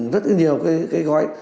rất là nhiều cái gói